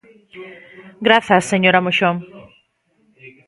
Grazas, señora Moxón.